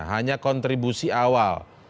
hanya kontribusi awal